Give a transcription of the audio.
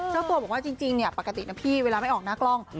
เจ้าตัวบอกว่าจริงปกตินะพี่เวลาไม่ออกหน้ากล้อง